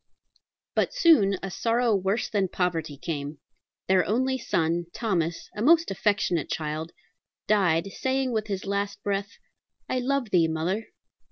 But soon a sorrow worse than poverty came. Their only son, Thomas, a most affectionate child, died, saying with his latest breath, "I love thee, mother."